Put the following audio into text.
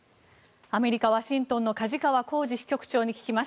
アメリカ・ワシントンの梶川幸司支局長に聞きます。